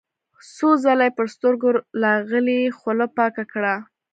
څو ځله يې پر سترګو لاغلې خوله پاکه کړه.